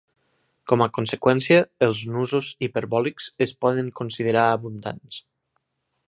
Com a conseqüència, els nusos hiperbòlics es poden considerar abundants.